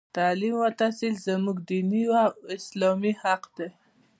تـعلـيم او تحـصيل زمـوږ دينـي او اسـلامي حـق دى.